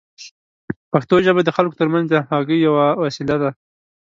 پښتو ژبه د خلکو ترمنځ د همغږۍ یوه وسیله ده.